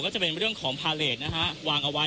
ก็จะเป็นเรื่องของพาเลสนะฮะวางเอาไว้